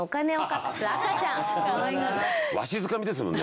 わしづかみですもんね。